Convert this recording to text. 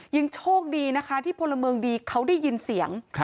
ยังโชคดีนะคะที่พลเมืองดีเขาได้ยินเสียง